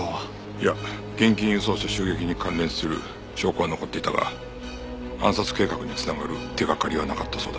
いや現金輸送車襲撃に関連する証拠は残っていたが暗殺計画に繋がる手掛かりはなかったそうだ。